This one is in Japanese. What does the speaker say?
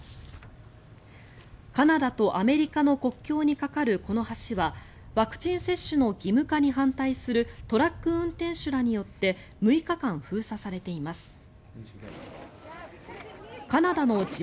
カナダとアメリカの国境に架かるこの橋はワクチン接種の義務化に反対するトラック運転手らによって６日間、封鎖されています。